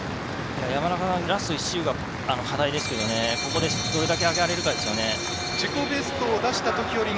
山中さん、ラスト１周課題ですけどここでどれだけ上げられるかですよね。